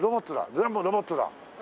全部ロボットだ。